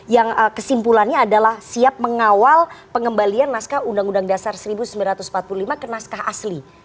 yang kesimpulannya adalah siap mengawal pengembalian naskah undang undang dasar seribu sembilan ratus empat puluh lima ke naskah asli